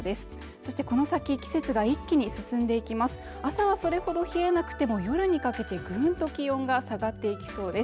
そしてこの先、季節が一気に進んでいきます朝はそれほど冷えなくても夜にかけてぐんと気温が下がっていきそうです